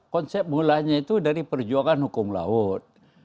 konsep mulanya itu dari perjuangan hukum laut